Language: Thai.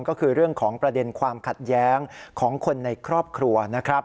ก็คือเรื่องของประเด็นความขัดแย้งของคนในครอบครัวนะครับ